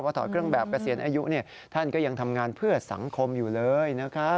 ถอดเครื่องแบบเกษียณอายุท่านก็ยังทำงานเพื่อสังคมอยู่เลยนะครับ